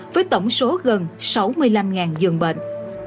với tổng số gần sáu mươi năm dường bệnh